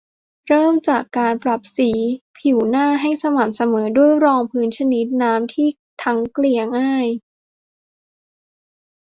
เริ่มจากการปรับสีผิวหน้าให้สม่ำเสมอด้วยรองพื้นชนิดน้ำที่ทั้งเกลี่ยง่าย